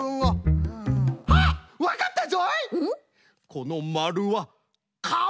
このまるはかお！